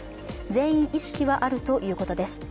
全員、意識はあるということです。